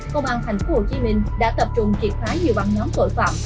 công an tp hcm đã tập trung triệt phái nhiều băng nhóm tội phạm